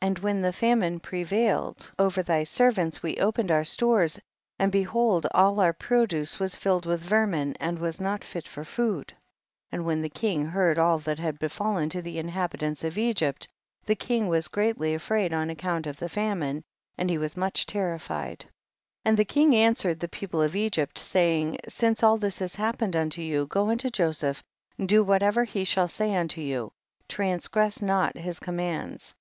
24. And when the famine prevailed over thy servants we opened our stores, and behold all our produce was filled with vermin and was not fit for food. 25. And when the king heard all that had befallen to the inhabitants of Egypt, the king was greatly afraid on account of the famine, and he was much terrified ; and the king an swered the people of Egypt, saying, since all this has happened unto you, go unto Joseph, do whatever he shall say unto you, transgress not his com mands.